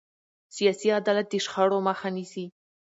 سیاسي عدالت د شخړو مخه نیسي